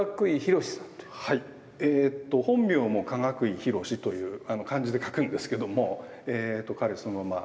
えと本名も加岳井広という漢字で書くんですけどもえと彼そのまあ。